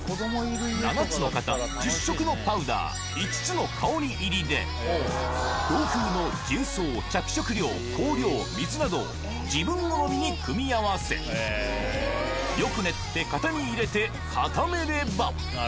７つの型、１０色のパウダー、５つの香り入りで、同封の重層、香料、水などを自分好みに組み合わせ、よく練って型に入れて固めれば。